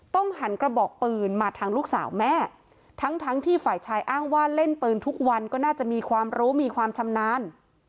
หันกระบอกปืนมาทางลูกสาวแม่ทั้งทั้งที่ฝ่ายชายอ้างว่าเล่นปืนทุกวันก็น่าจะมีความรู้มีความชำนาญ